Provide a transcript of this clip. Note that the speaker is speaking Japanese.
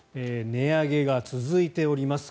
値上げが続いております。